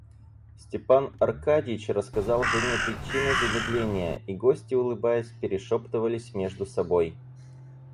Степан Аркадьич рассказал жене причину замедления, и гости улыбаясь перешептывались между собой.